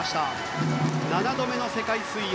７度目の世界水泳。